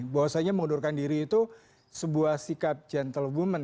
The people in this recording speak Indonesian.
bahwasanya mengundurkan diri itu sebuah sikap gentlewoman